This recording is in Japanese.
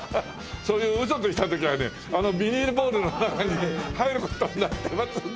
そういうウソついた時はねあのビニールボールの中にね入る事になってますんで。